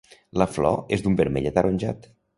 La flor és d'un vermell ataronjat.